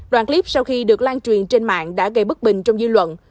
đoạn clip sau khi được lan truyền trên mạng đã gây bức bình trong dư luận